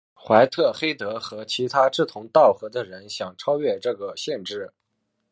怀特黑德和其他志同道合的人想超越这个限制。